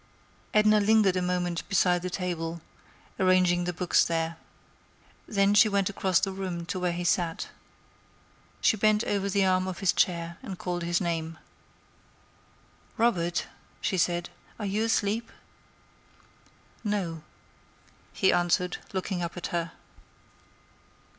Edna lingered a moment beside the table, arranging the books there. Then she went across the room to where he sat. She bent over the arm of his chair and called his name. "Robert," she said, "are you asleep?" "No," he answered, looking up at her.